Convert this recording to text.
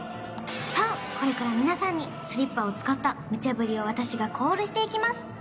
さあこれから皆さんにスリッパを使った無茶振りを私がコールしていきます